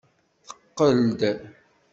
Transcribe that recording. Teqqel-d.